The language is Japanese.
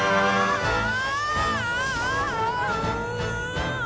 ああ！